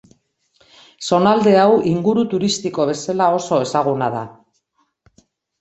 Zonalde hau inguru turistiko bezala oso ezaguna da.